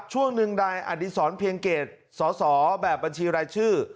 ช่วงหนึ่งนายอดีศรเพียงเกตสอสอแบบบัญชีรายชื่อ